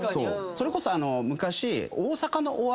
それこそ昔。